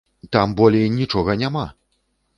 Там болей нічога няма!